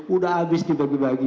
udah habis dibagi bagi